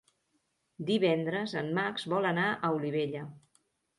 Divendres en Max vol anar a Olivella.